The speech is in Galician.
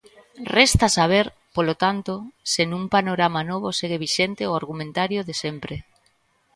Resta saber, polo tanto, se nun panorama novo segue vixente o argumentario de sempre.